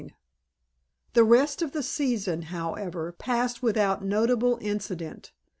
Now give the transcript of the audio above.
XX The rest of the season, however, passed without notable incident.